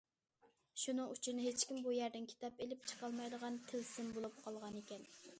شۇنىڭ ئۈچۈن، ھېچكىم بۇ يەردىن كىتاب ئېلىپ چىقالمايدىغان تىلسىم بولۇپ قالغانىكەن.